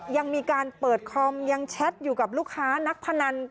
ยังมีการเปิดคอมยังแชทอยู่กับลูกค้านักพนัน